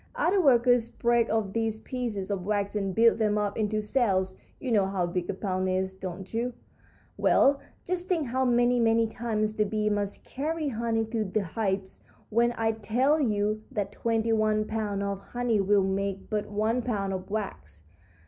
Other workers break off these pieces of wax and build them up into cells. You know how big a pound is, don't you? Well, just think how many, many times the bees must carry honey to the hives when I tell you that twenty one pounds of honey will make but one pound of wax.